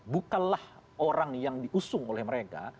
bukanlah orang yang diusung oleh mereka